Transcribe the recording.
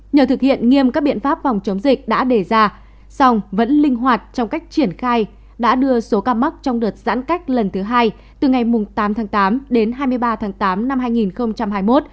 nhờ thực hiện nghiêm các biện pháp phòng chống dịch đã đề ra song vẫn linh hoạt trong cách triển khai đã đưa số ca mắc trong đợt giãn cách lần thứ hai từ ngày tám tháng tám đến hai mươi ba tháng tám năm hai nghìn hai mươi một